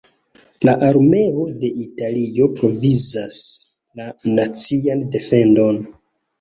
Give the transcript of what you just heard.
La armeo de Italio provizas la nacian defendon.